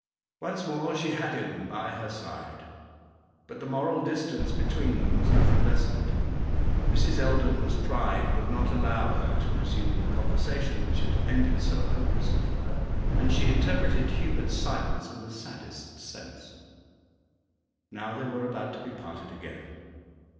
Once more she had him by her side, but the moral distance between them was nothing lessened. Mrs. Eldon's pride would not allow her to resume the conversation which had ended so hopelessly for her, and she interpreted Hubert's silence in the saddest sense. Now they were about to be parted again.